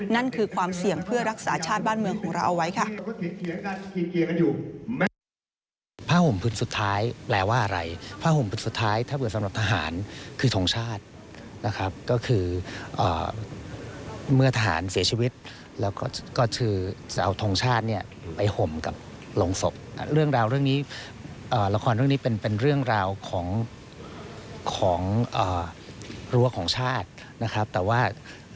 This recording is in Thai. นั่นคือความเสี่ยงเพื่อรักษาชาติบ้านเมืองของเราเอาไว้ค่ะ